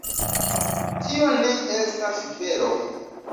Tio ne estas vero.